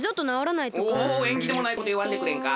おえんぎでもないこといわんでくれんか。